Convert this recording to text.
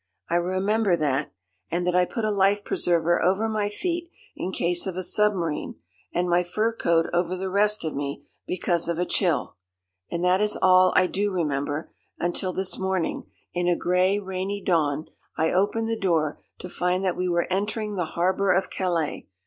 I remember that, and that I put a life preserver over my feet, in case of a submarine, and my fur coat over the rest of me, because of a chill. And that is all I do remember, until this morning in a grey, rainy dawn I opened the door to find that we were entering the harbour of Calais.